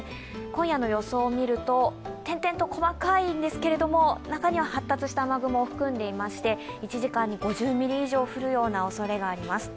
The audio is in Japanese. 今夜の予想を見ると点々と細かいんですけど中には発達した雨雲を含んでいまして、１時間に５０ミリ以上降るおそれもあります。